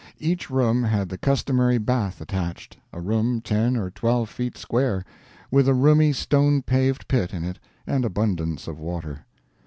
Each room had the customary bath attached a room ten or twelve feet square, with a roomy stone paved pit in it and abundance of water.